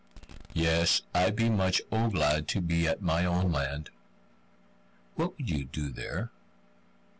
"Yes! I be much O glad to be at my own land." "What would you do there?